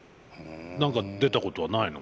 何か出たことはないの？